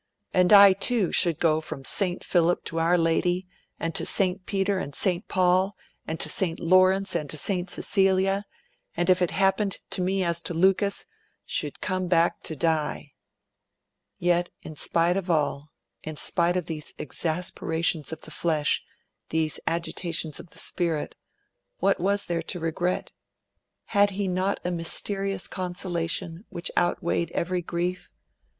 'And I too should go from St. Philip to Our Lady, and to St. Peter and St. Paul, and to St. Laurence and to St. Cecilia, and, if it happened to me as to Lucas, should come back to die.' Yet, in spite of all, in spite of these exasperations of the flesh, these agitations of the spirit, what was there to regret? Had he not a mysterious consolation which outweighed every grief?